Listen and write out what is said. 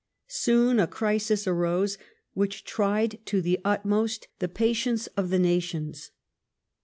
Soon a crisis arose which tried to the utmost the patience of the nations.